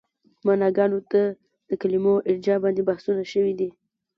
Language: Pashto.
معناګانو ته د کلمو ارجاع باندې بحثونه شوي دي.